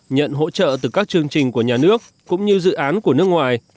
nhận hỗ trợ từ các chương trình của nhà nước cũng như dự án của nước ngoài